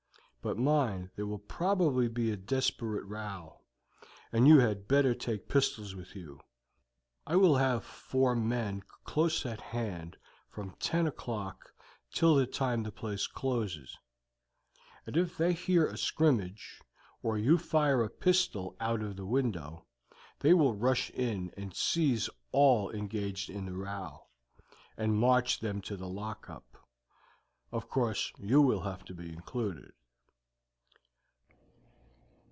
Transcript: But mind, there will probably be a desperate row, and you had better take pistols with you. I will have four men close at hand from ten o'clock till the time the place closes, and if they hear a scrimmage, or you fire a pistol out of the window, they will rush in and seize all engaged in the row, and march them to the lock up. Of course you will have to be included."